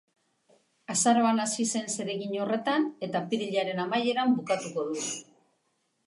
Azaroan hasi zen zeregin horretan, eta apirilaren amaieran bukatuko du.